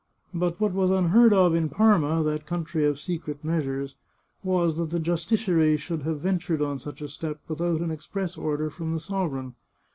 But what was unheard of in Parma, that country of secret measures, was that the justiciary should have ven tured on such a step without an express order from the sov ereign.